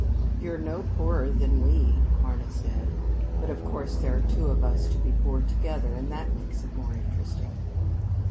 "You're no poorer than we," Marna said. "But of course there are two of us to be poor together; and that makes it more interesting."